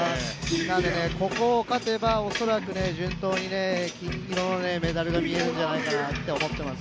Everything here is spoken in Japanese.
なんで、ここを勝てば恐らく順当に金色のメダルが見えるんじゃないかなって思ってます。